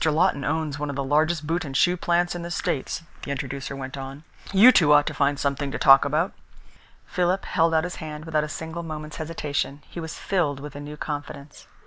Lawton owns one of the largest boot and shoe plants in the States," the introducer went on. "You two ought to find something to talk about." Philip held out his hand without a single moment's hesitation. He was filled with a new confidence.